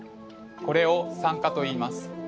これを酸化といいます。